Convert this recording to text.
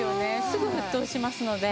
すぐ沸騰しますので。